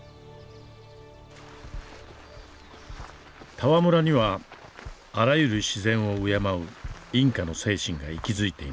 タワ村にはあらゆる自然を敬うインカの精神が息づいています。